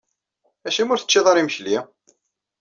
Acimi ur teččiḍ ara imekli?